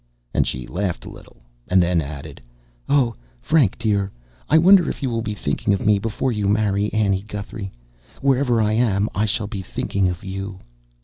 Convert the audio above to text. And she laughed a little, and then added: "Oh, Frank dear, I wonder if you will think of me before you marry Annie Guthrie. Wherever I am I shall be thinking of you."